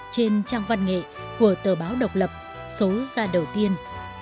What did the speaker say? trên trang văn nghệ của tờ báo độc lập số ra đầu tiên